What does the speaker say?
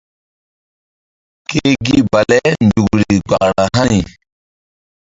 Ke gi bale nzukri gbara hani.